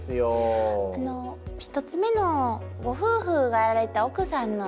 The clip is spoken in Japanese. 一つ目のご夫婦がやられてた奥さんの。